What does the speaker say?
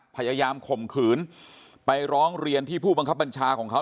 ข่มขืนไปร้องเรียนที่ผู้บังคับบัญชาของเขา